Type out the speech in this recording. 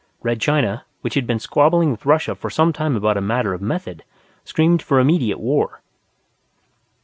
Red China, which had been squabbling with Russia for some time about a matter of method, screamed for immediate war.